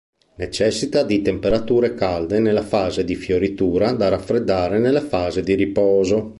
Necessita di temperature calde nella fase di fioritura da raffreddare nella fase di riposo.